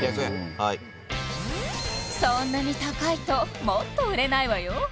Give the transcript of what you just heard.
はいそんなに高いともっと売れないわよ